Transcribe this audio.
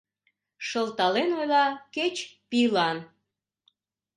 Шылтален ойла кеч пийлан.